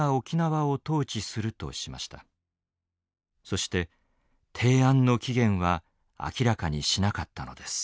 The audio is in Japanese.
そして提案の期限は明らかにしなかったのです。